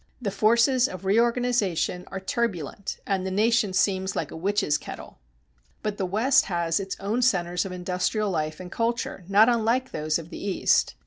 The forces of reorganization are turbulent and the nation seems like a witches' kettle. But the West has its own centers of industrial life and culture not unlike those of the East.